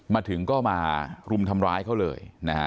มาถึงก็มารุมทำร้ายเขาเลยนะฮะ